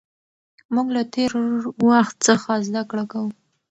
موږ له تېر وخت څخه زده کړه کوو.